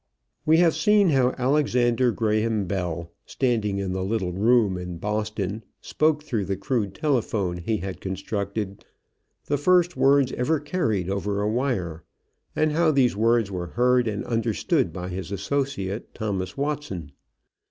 We have seen how Alexander Graham Bell, standing in the little room in Boston, spoke through the crude telephone he had constructed the first words ever carried over a wire, and how these words were heard and understood by his associate, Thomas Watson.